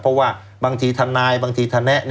เพราะว่าบางทีทนายบางทีทะแนะ